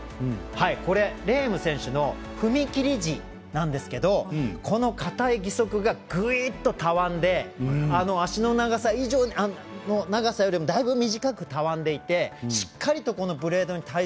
これはレーム選手の踏み切り時なんですけど硬い義足が、ぐいって、たわんで足の長さよりも、だいぶ短くたわんでいて、しっかりとブレードに体重が乗っている。